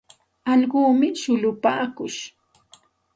Allquumi shullupaakush.